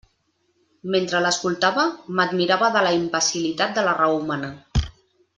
Mentre l'escoltava, m'admirava de la imbecil·litat de la raó humana.